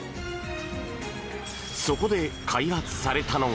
そこで開発されたのが。